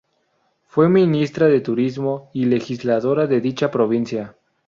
Fue ministra de Turismo y legisladora de dicha provincia.